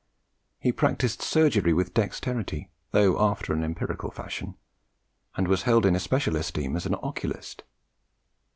He practised surgery with dexterity, though after an empirical fashion, and was held in especial esteem as an oculist.